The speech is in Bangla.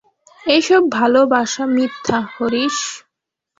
এই সব ভালোবাস মিথ্যা, হরিশ।